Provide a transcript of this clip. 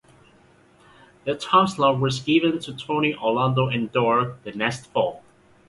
Their timeslot was given to "Tony Orlando and Dawn" the next fall.